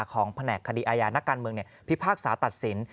แผนกคดีอาญานักการเมืองพิพากษาตัดสิน